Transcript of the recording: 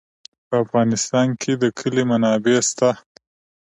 په افغانستان کې د کلي منابع شته.